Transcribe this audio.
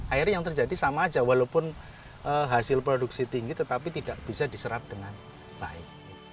akhirnya yang terjadi sama aja walaupun hasil produksi tinggi tetapi tidak bisa diserap dengan baik